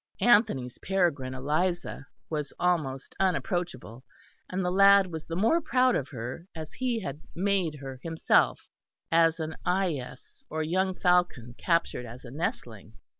Anthony's peregrine Eliza was almost unapproachable; and the lad was the more proud of her as he had "made" her himself, as an "eyess" or young falcon captured as a nestling.